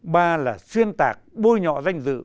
ba là xuyên tạc bôi nhọ danh dự